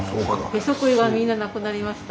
へそくりがみんな無くなりました。